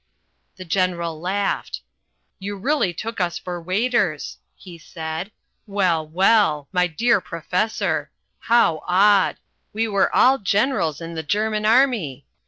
The General laughed. "You really took us for waiters!" he said. "Well, well. My dear professor! How odd! We were all generals in the German army.